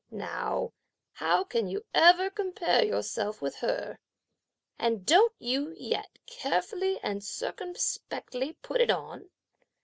Now, how can you ever compare yourself with her? and don't you yet carefully and circumspectly put it on?